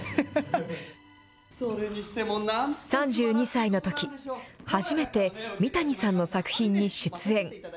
３２歳のとき、初めて三谷さんの作品に出演。